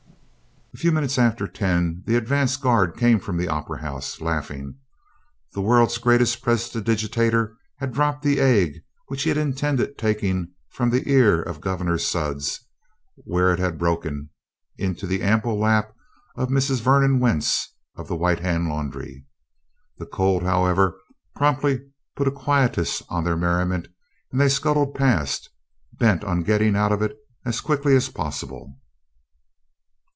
A few minutes after ten the advance guard came from the Opera House laughing. The World's Greatest Prestidigitator had dropped the egg which he intended taking from the ear of Governor Sudds where it had broken into the ample lap of Mrs. Vernon Wentz of the White Hand Laundry. The cold, however, promptly put a quietus upon their merriment and they scuttled past, bent on getting out of it as quickly as possible.